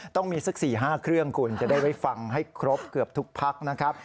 ต้องมีสัก๔๕เครื่องคุณจะได้ไว้ฟังให้ครบเกือบทุกพักนะครับ